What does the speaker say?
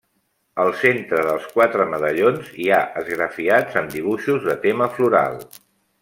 Al centre dels quatre medallons hi ha esgrafiats amb dibuixos de tema floral.